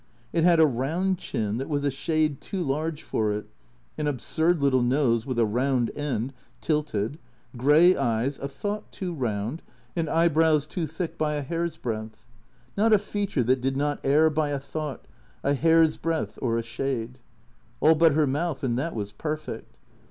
It had a round chin that was a shade too large for it; an absurd little nose with a round end, tilted; grey eyes a thought too round, and eyebrows too thick by a hair's breadth. Not a feature that did not err by a thought, a hair's breadth or a shade. All but her mouth, and that was perfect.